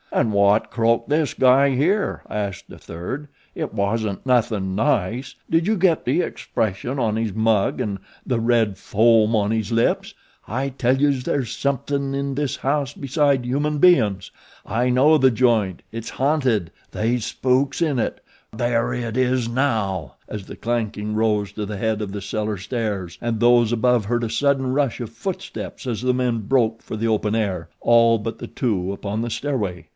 "An' wot croaked this guy here?" asked a third. "It wasn't nothin' nice did you get the expression on his mug an' the red foam on his lips? I tell youse there's something in this house beside human bein's. I know the joint it's hanted they's spooks in it. Gawd! there it is now," as the clanking rose to the head of the cellar stairs; and those above heard a sudden rush of footsteps as the men broke for the open air all but the two upon the stairway.